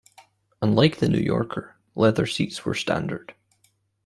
Unlike the New Yorker, leather seats were standard.